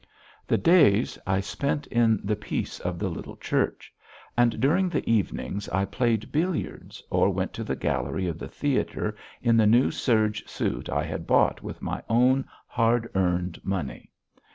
The days I spent in the peace of the little church, and during the evenings I played billiards, or went to the gallery of the theatre in the new serge suit I had bought with my own hard earned money.